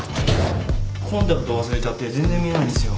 コンタクト忘れちゃって全然見えないんですよ。